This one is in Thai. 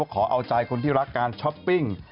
ขอเอาใจคนที่รักการช้อปปิ้ง